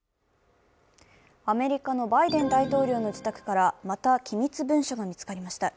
アメリカのバイデン大統領の自宅からまた機密文書が見つかりました。